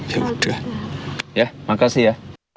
ya udah ya makasih ya